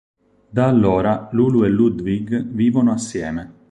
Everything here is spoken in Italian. Da allora Lulu e Ludwig vivono assieme.